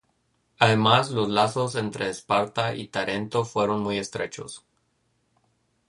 Además, los lazos entre Esparta y Tarento fueron muy estrechos.